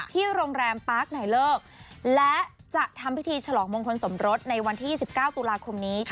ที่โรงแรมปาร์คไนเลิกและจะทำพิธีฉลองมงคลสมรสในวันที่๒๙ตุลาคมนี้